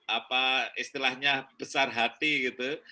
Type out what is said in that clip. apa istilahnya besar hati gitu